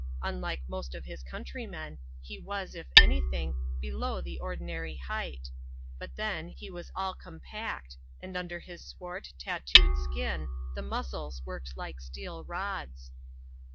Unlike most of his countrymen, he was, if any thing, below the ordinary height; but then, he was all compact, and under his swieurt, tattooed skin, the muscles worked like steel rods.